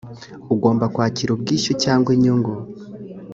ugomba kwakira ubwishyu cyangwa inyungu